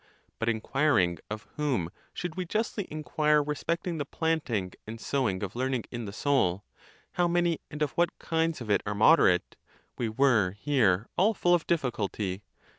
But inquiring of whom, should we justly inquire respecting the planting and sowing of learning in the soul, how many, and of what kinds of it are moderate? We were here all full of difficulty.